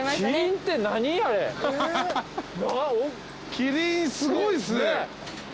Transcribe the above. キリンすごいっすね。